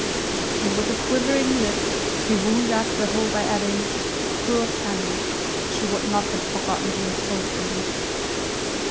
And with a quivering lip he wound up the whole by adding, "Poor Fanny! she would not have forgotten him so soon!"